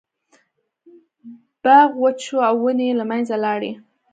باغ وچ شو او ونې یې له منځه لاړې.